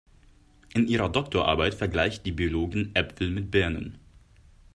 In ihrer Doktorarbeit vergleicht die Biologin Äpfel mit Birnen.